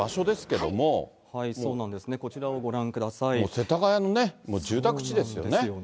そうなんですね、こちらをご世田谷の住宅地ですよね。